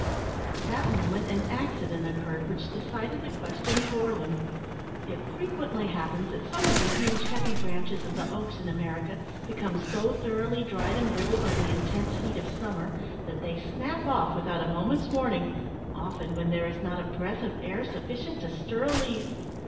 At that moment an accident occurred which decided the question for them. It frequently happens that some of the huge, heavy branches of the oaks in America become so thoroughly dried and brittle by the intense heat of summer, that they snap off without a moment's warning, often when there is not a breath of air sufficient to stir a leaf.